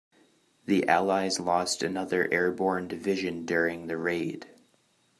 The allies lost another airborne division during the raid.